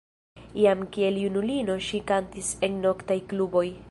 Jam kiel junulino ŝi kantis en noktaj kluboj.